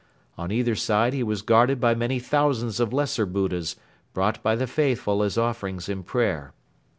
On either side he was guarded by many thousands of lesser Buddhas brought by the faithful as offerings in prayer.